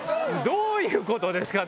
どういうことですか？